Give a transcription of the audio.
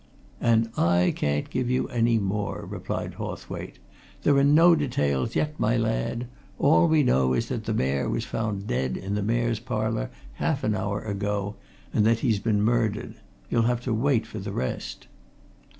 "And I can't give you any more," replied Hawthwaite. "There are no details yet, my lad! All we know is that the Mayor was found dead in the Mayor's Parlour half an hour ago, and that he's been murdered. You'll have to wait for the rest."